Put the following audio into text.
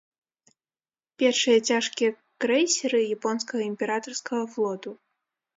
Першыя цяжкія крэйсеры японскага імператарскага флоту.